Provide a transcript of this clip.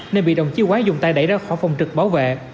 nên bị đồng chí quán dùng tay đẩy ra khỏi phòng trực bảo vệ